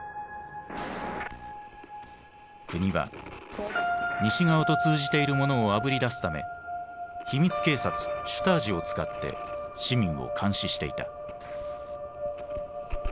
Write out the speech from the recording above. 国は西側と通じている者をあぶり出すため秘密警察シュタージを使って市民を監視していた。